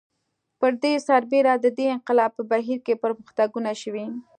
پر دې سربېره د دې انقلاب په بهیر کې پرمختګونه شوي